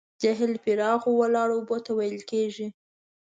جهیل پراخو ولاړو اوبو ته ویل کیږي.